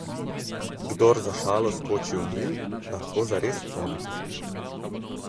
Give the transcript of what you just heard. Kdor za šalo skoči v Nil, lahko zares utone.